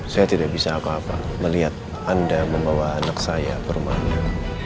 saya tidak bisa apa apa melihat anda membawa anak saya ke rumahnya